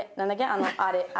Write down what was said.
あのあれあ。